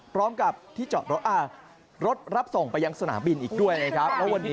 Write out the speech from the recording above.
พร้อมกับที่จอดรถอ่ารถรับส่งไปยังสนามบินอีกด้วยนะครับแล้ววันนี้